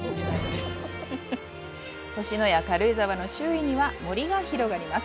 星のや軽井沢の周囲には森が広がります。